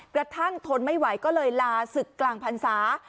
กระทั่งทนไม่ไหวก็เลยลาศึกกลางพรรษา